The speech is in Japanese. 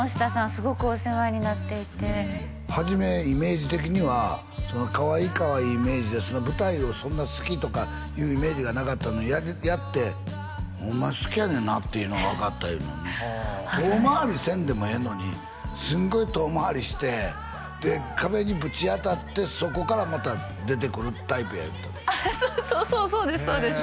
すごくお世話になっていて初めイメージ的にはかわいいかわいいイメージで舞台をそんな好きとかいうイメージがなかったのにやってホンマに好きやねんなっていうのが分かったいう遠回りせんでもええのにすんごい遠回りしてで壁にぶち当たってそこからまた出てくるタイプや言うてたそうそうそうですそうです